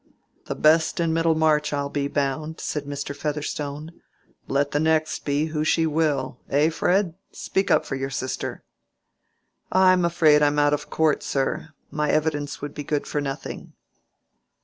"The best in Middlemarch, I'll be bound," said Mr. Featherstone, "let the next be who she will. Eh, Fred? Speak up for your sister." "I'm afraid I'm out of court, sir. My evidence would be good for nothing."